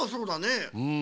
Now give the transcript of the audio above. うん。